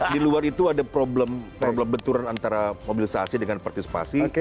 di luar itu ada problem benturan antara mobilisasi dengan partisipasi